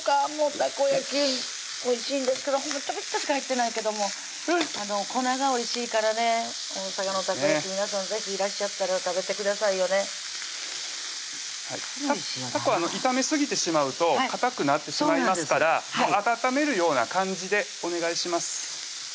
たこ焼きおいしいんですけどちょびっとしか入ってないけども粉がおいしいからね大阪のたこ焼き皆さん是非いらっしゃったら食べてくださいよねたこ炒めすぎてしまうとかたくなってしまいますから温めるような感じでお願いします